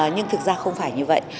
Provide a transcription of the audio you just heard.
nhưng thực ra không phải như vậy